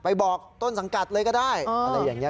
ไปบอกกับสังกัดเลยก็ได้